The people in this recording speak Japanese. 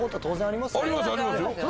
ありますありますよ！